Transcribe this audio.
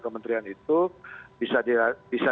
kementerian itu bisa